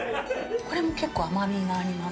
これも結構甘みがあります。